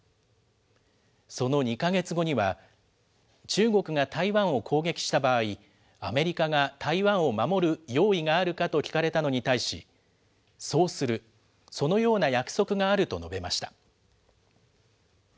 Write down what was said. その２か月後には、中国が台湾を攻撃した場合、アメリカが台湾を守る用意があるかと聞かれたのに対し、そうする、そのような約束があると述べました。